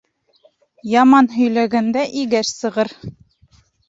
Яман һөйләгәндә игәш сығыр.